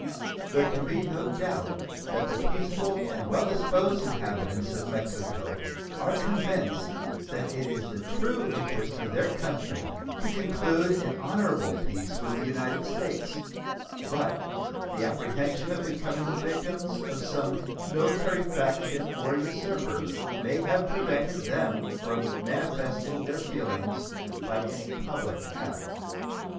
There can be no doubt that the peaceable and well disposed inhabitants of Mexico are convinced that it is the true interest of their country to conclude an honorable peace with the United States, but the apprehension of becoming the victims of some military faction or usurper may have prevented them from manifesting their feelings by any public act.